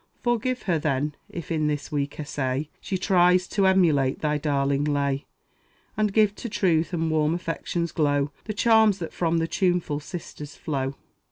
Forgive her, then, if in this weak essay She tries to emulate thy daring lay, And give to truth and warm affection's glow The charms that from the tuneful sisters flow.